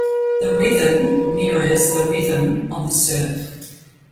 The rhythm mirrors the rhythm of the surf.